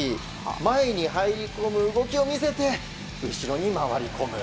前に入り込む動きを見せて後ろに回り込む。